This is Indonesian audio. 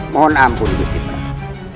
mohon ampun gusti prapu